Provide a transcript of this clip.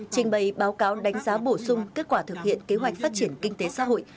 trình bày báo cáo đánh giá bổ sung kết quả thực hiện kế hoạch phát triển kinh tế xã hội